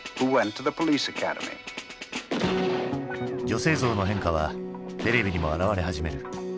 女性像の変化はテレビにも現れ始める。